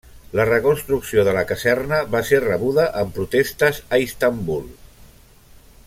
La reconstrucció de la caserna va ser rebuda amb protestes a Istanbul.